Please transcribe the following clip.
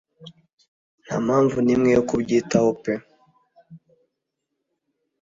nta mpamvu nimwe yo kubyitaho pe